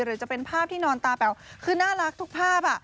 หรือจะเป็นภาพที่นอนตาแป๋วคือน่ารักทุกภาพ